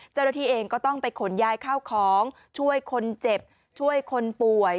เจ้าหน้าที่เองก็ต้องไปขนย้ายข้าวของช่วยคนเจ็บช่วยคนป่วย